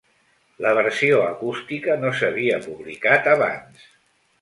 La versió acústica no s'havia publicat abans.